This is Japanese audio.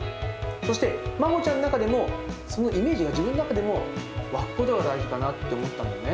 そしてまほちゃんの中でも、そのイメージが自分の中でも湧くことが大事かなって思ったのね。